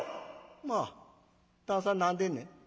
「まあ旦さん何でんねん？」。